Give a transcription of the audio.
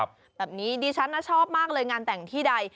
แบบนี้ดิฉันชอบมากเลยงานแต่งที่ใด